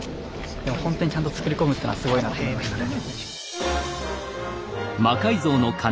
でもホントにちゃんと作り込むってのはすごいなと思いましたね。